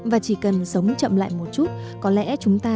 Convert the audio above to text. và chỉ cần sống chậm lại một chút